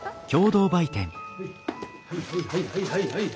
はいはいはいはい。